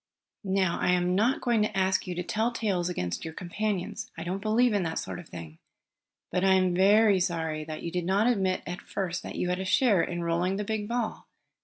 "Now I am not going to ask you to tell tales against your companions. I don't believe in that sort of thing. But I am very sorry that you did not admit at first that you had a share in rolling the big ball.